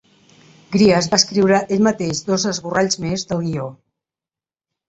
Gries va escriure ell mateix dos esborralls més del guió.